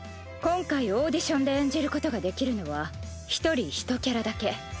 今回オーディションで演じることができるのは１人１キャラだけ。